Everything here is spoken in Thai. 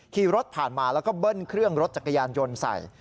ขี่รถผ่านมาแล้วก็เบิ้ลเครื่องรถจักรยานยนต์ใส่